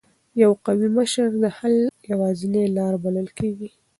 یو قوي مشر د حل یوازینۍ لار بلل کېږي.